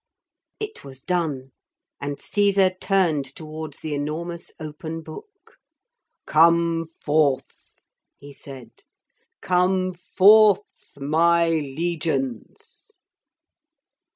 It was done, and Caesar turned towards the enormous open book. 'Come forth!' he said. 'Come forth, my legions!'